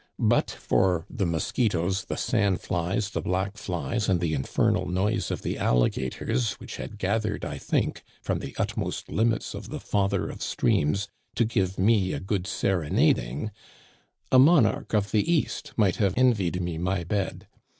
But for the mus quitoes, the sand flies, the black flies, and the infernal noise of the alligators, which had gathered, I think, from the utmost limits of the Father of Streams to give me a good serenading, a monarch of the East might have envied me my bed.